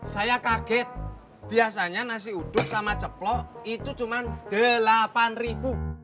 saya kaget biasanya nasi uduk sama ceplok itu cuma delapan ribu